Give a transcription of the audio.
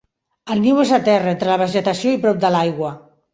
El niu és a terra, entre la vegetació i prop de l'aigua.